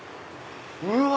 うわ！